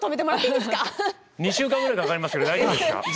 ２週間ぐらいかかりますけど大丈夫ですか？